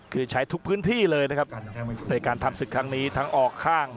คือใช้ทุกพื้นที่เลยนะครับในการทำศึกครั้งนี้ทั้งออกข้าง